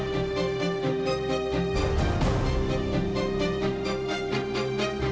kamu gak lihat ya